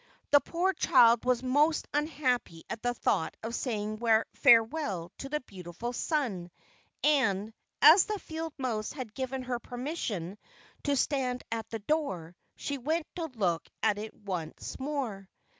The poor child was most unhappy at the thought of saying farewell to the beautiful sun; and, as the field mouse had given her permission to stand at the door, she went to look at it once more.